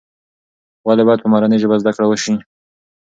ولې باید په مورنۍ ژبه زده کړه وسي؟